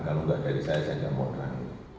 kalau tidak dari saya saya tidak mau terangkan